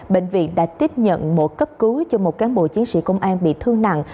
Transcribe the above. bệnh viện đã tiếp nhận một cấp cứu cho một cán bộ chiến sĩ công an bị thương nặng